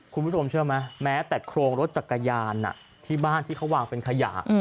คุณผู้ชมเชื่อไหมแม้แต่โครงรถจักรยานที่บ้านที่เขาวางเป็นขยะ